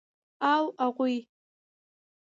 او اغوئ.